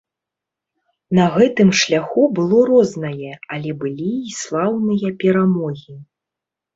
На гэтым шляху было рознае, але былі і слаўныя перамогі.